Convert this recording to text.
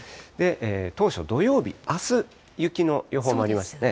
当初、土曜日、あす、雪の予報もありましたね。